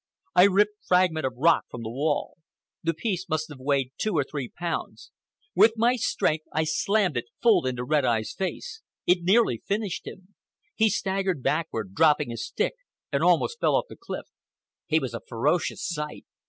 I ripped a fragment of rock from the wall. The piece must have weighed two or three pounds. With my strength I slammed it full into Red Eye's face. It nearly finished him. He staggered backward, dropping his stick, and almost fell off the cliff. He was a ferocious sight.